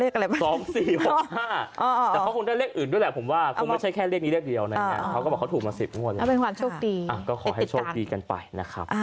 ก็เขาให้โชคดีเข้าไปนะครับ